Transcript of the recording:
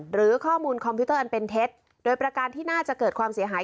หรือข้อมูลคอมพิวเตอร์อันเป็นเท็จโดยประการที่น่าจะเกิดความเสียหาย